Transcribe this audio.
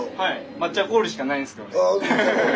抹茶氷しかないんですけどね。